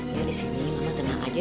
ya disini mama tenang aja